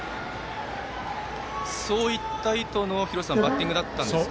そういった意図のバッティングだったんですか？